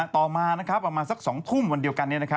ต่อมาประมาณสัก๒ทุ่มวันเดียวกัน